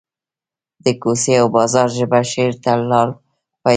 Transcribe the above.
د کوڅې او بازار ژبه شعر ته لار پیدا کړه